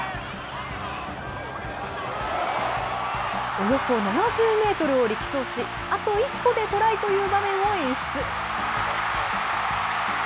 およそ７０メートルを力走し、あと一歩でトライという場面を演出。